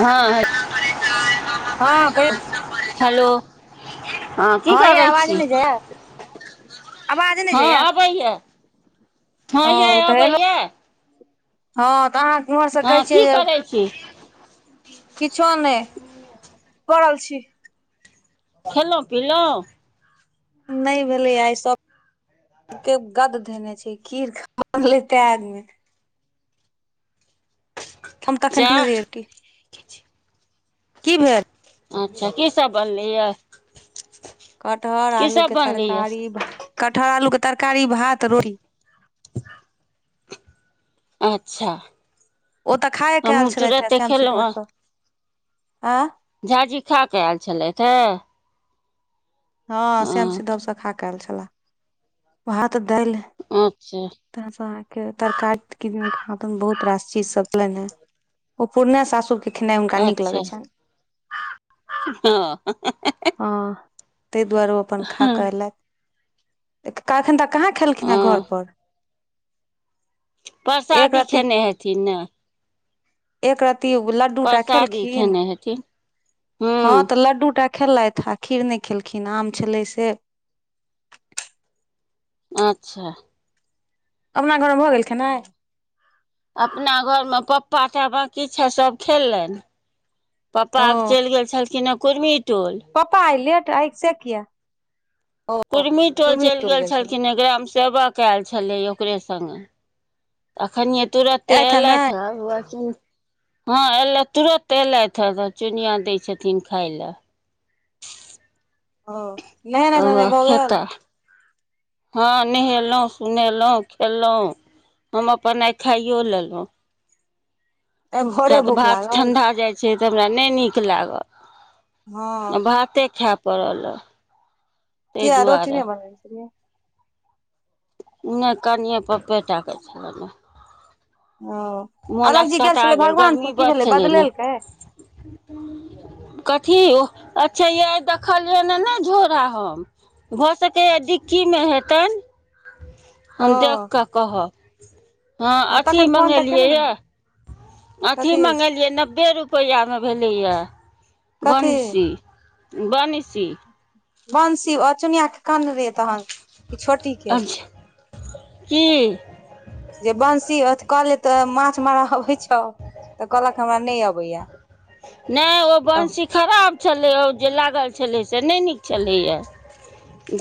हँ हे हँ कहियौ हेलो हँ की यै करै आवाज छी नहि जाइये आवाज नहि हँ जाइये अबैया हां यै ओ तऽ हेलो अबैया हँ तऽ अहाँ उम्हरसँ कहै हँ छियै की जे करै छी किछो नहि परल छी खेलौं पिलौं नहि भेलै आइ सब के गद धेने छै खीर खा ले तै आदमी हम तखन चाह नहियै रोटी कि भेल अच्छा की सब बनलै यै कटहर आलू के तरकारी भा कटहर आलू के तरकारी भात रोटी अच्छा ओ तऽ खायेक आयल हमहूँ छलथि हे तुरते श्याम स्वीट खेलहुँ हँ हाउस सँ आँ झाजी खा कऽ आयल छलथि ह हँ श्याम स्वीट हाउस सँ खा क आयल छलाह भात दालि अच्छा तहनसँ अहाँके तरकारी किदनक हाथ बहुत रास चीजसभ भेलनि हे ओ पुरने सासुरकेँ खेनाइ हुनका नीक अच्छा लगै छनि हँ हँ त‌इ दुआरे ओ अपन खा कऽ अयलैत तऽ कहलखन तऽ कहाँ खेलखिन हेँ हँ घरपर एक परसादी रत्ती खेने हेथिन ने एक रति लड्डू टा परसादी खेलखिन खेने हेथिन हँ हूँ तऽ लड्डू टा खेल‌इथ आ खीर नहि खेलखिन आम छलै से अच्छा अपना घरमे भऽ गेल खेनाइ अपना घरमे पप्पा बाकी छे सब खेललनि पप्पा ओ के चलि गेल छलखिन ह कुुरमी पप्पा आइ लेट आइ से किया कुर्मी टोल चलि गेल छलखिन ह ग्राम सेवक एयल छलै ह ओकरे संग अखनीय तुंरते एलथि ह ह एलथि तुरोतेलथि हे तऽ चुनिया दै छथिन खाय लए ओ नहेनाय तऽ सुनेनाय उएह भऽ खेता गेल हँ नहेलहुँ सुनेलहुँ खेलहुँ हम अपन आ खाइयो लेलहुँ आइ भोरे किया तऽ भूख भात लागल ठंडा जाइ छै तऽ हमरा नहि नीक लागल हँ आ भाते खायए पड़ल ह किया रोटी नहि बनने चिय‌ए नहि कनिए पप्पे टाक छल ने ओ मोन अलग जी असकता छलै गेल गर्मी भगवानपुर की बड़ भेलै छलै ने बदलेलकै कथी ओह आच्छा य देखलियै ने नहि झोरा हम भऽ सकैऐ डिक्कीमे हेतेन हम देख ओ केऽ कहब हँ अथी तखन फोन तऽ मंगेली केने रहे ये अथी कथी मंगेलियै नब्बे रुपया मे भेले या कथी बंसी बनसी बंसी अ चुनीया के कहने रहीये अ तहान अच्छा की जे बंसी हो त कहले तऽ माछ मारऽ हो छौ तऽ कहलक हमरा नहि अबैया नहि ओ तऽ बंशी खराब छलै ओ जे लागल छलै से नहि नीक छलैए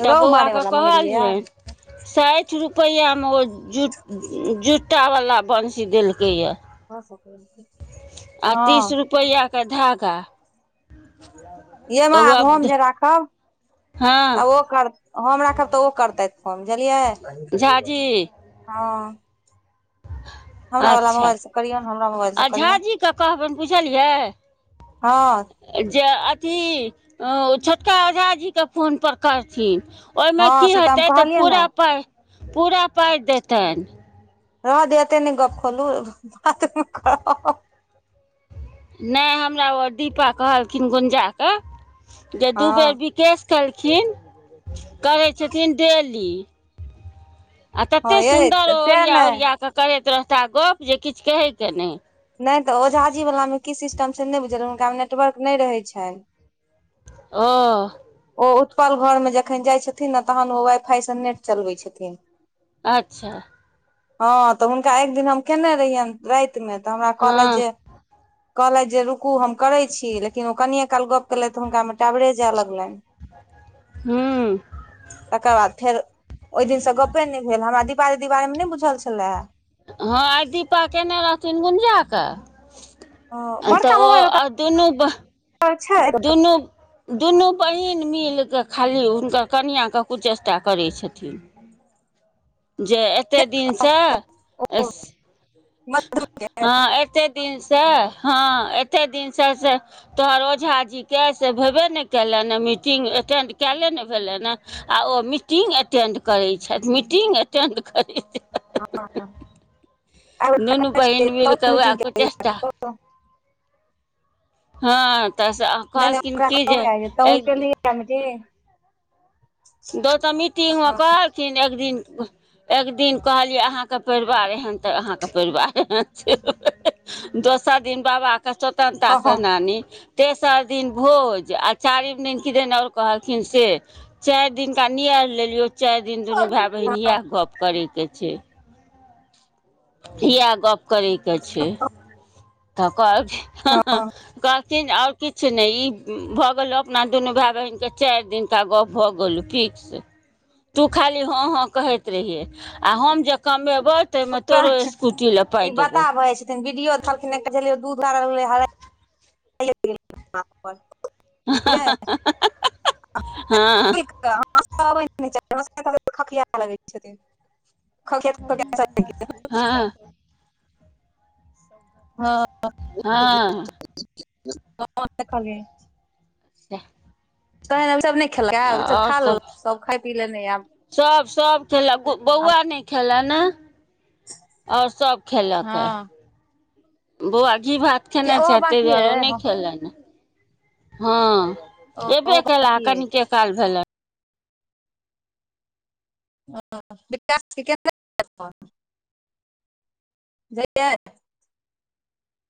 तऽ रौ बौआक मारे के वाला मंगेलियै या कहलियनि साठि रुपया रुपेया में ओ जुता बला बंशी देलकै यै आ हँ तीस रुपेया के धागा ये माँ तऽ आब हम उएह जे राखब हँ तऽ ओ कर हम राखब तऽ ओ करतै समझलियीऐ झाजी हँ हमरा वला अच्छा मोबाइल से करियौ हमरा मोबाइल से आ करियौ झाजीकेँ कहबनि बुझलियै हँ जे अथी छोटका ओझा जीके फोनपर करथिन ओहिमे हँ की से हम होते तऽ कहलियै ने पूरा पाइ पूरा पाइ देतनि रहऽ दे एते नहि गप्प खोलू खत्म करब नहि हमरा ओ दीपा कहलखिन गुंजा के जे दू हँ बेर विकेश कहलखिन करय छथिन डेली आ हँ तते यै सुन्दर तऽ ओ सएह ओरिया ने ओरिया कऽ करैत रहताह गप जे किछ कहै के नहि नहि तऽ ओझाजी वला मे की सिस्टम से नहि बुझल हुनका मे नेटवर्क नहि रहैत छनि ओ ओ उप्पर घरमे जखन जाइ छथिन ने तहन ओ वाइ फाइ से नेट चलबै छथिन अच्छा हँ तऽ हुनका एक दिन हम कैनै रहिऐन राति मे तऽ हमरा कहलथि हँ जे कहलथि जे रूकू हम करै छी लेकिन ओ कनिये काल गप्प केलथ तऽ हुनका में टावरे जाय लगलनि हुँ तकर बाद फेर ओहि दिन सँ गपे नहि भेल हमरा दीपा दीदी के बारे में नै बुझल बुझल छलै हँ आइ दीपा कयने रहथिन गुंजा कऽ आ तऽ बड़का ओ मोबाइल आ दुनू ब दुनू दुनू बहिन मिल कऽ खाली हुनकर कनिआँ के कुचष्टा करैत छथिन [inaudible] जे एते दिन से एस हँ एतै दिन सँ ह ए एते दिन से से तोहर ओझा जी के से भेबे ने केले मीटंग अटेंड कयले भेलनि ह आ ओ मीटिंगटेंड करै छथि मीटिंगगेटेड करै छै ह दुनू बहिन मिल कऽ वएह कुचेष्टा [unintelligible] हाँ तऽ से नहि कहलखिन ओकरा की जे कहबै आइ तहूँ एक केलियै मीटिंग दोटा मीटिंग में कहलखिन एक दिन एक दिन कहलियै अहाँ के परिवार एहन तऽ अहाँ के परिवार एहन छै दोसर दिन बाबा कऽ स्वतंत्रता हँ हँ सेनानी तेसर दिन भोज आ चारिम दिन किदन आ और कहलखिन से चारि दिन का नैआइर लेलियै चारि दिन दुनू भैए बहिन हँ इएह गप करै के छै इहय गप्प करय के छै तऽ कहलखीन हाँ हँ हाँ कहल कहलथिन और किछु नहि ई भए गेल अपना दुनू भाय बहिन के चारि दिनका गप भऽ गेल थिक से टु खाली हाँ हाँ कहत रहिए हम जे कमे कमेबो में ओकरा तोरो स्कूटी लऽ पाय देबो दीयोर देखलखिन दूध हरै लगलै हँ हँ हँ हँ खिया लग [unintelligible] हँ हँ हँ खाले सेह सब नहि खेलक ई सब खा सब खाय पी लेनै आब सब सब खेला आब बौआ नहि खेला ने आओर सभ खेलक हँ ह बौआ घी भात खेने किया ओहो छथि ताहि बाँकी दुआरे ओ अइ नहि हँ खेलनि हँ एबे ओहो केला हऽ बाँकी कनि अछि के काल भेलै ह विकास केना छैल फोन [unintelligible]